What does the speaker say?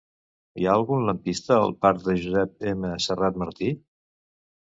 Hi ha algun lampista al parc de Josep M. Serra Martí?